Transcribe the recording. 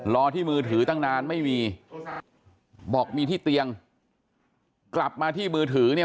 รอที่มือถือตั้งนานไม่มีบอกมีที่เตียงกลับมาที่มือถือเนี่ย